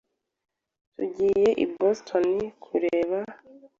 Tugiye i Boston kureba .